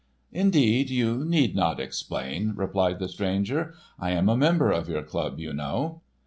"Indeed, you need not explain," replied the stranger. "I am a member of your club, you know."